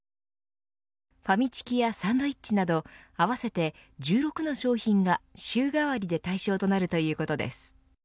ファミチキやサンドイッチなど合わせて１６の商品が週替わりで対象となるということです。